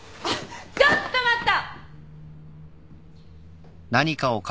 ちょっと待った！